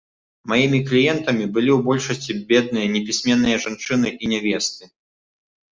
Маімі кліентамі былі ў большасці бедныя непісьменныя жанчыны і нявесты.